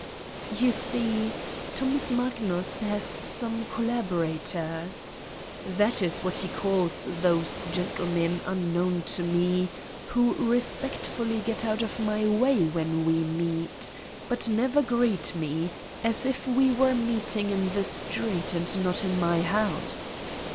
You see, Thomas Magnus has some collabora tors. That is what he calls those gentlemen un known to me who respectfully get out of my way 205 Satan's Diary when we meet, but never greet me, as if we were meeting in the street and not in my house.